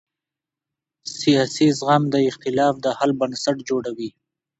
سیاسي زغم د اختلاف د حل بنسټ جوړوي